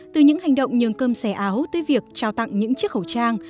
từ những hành động nhường cơm xẻ áo tới việc trao tặng những chiếc khẩu trang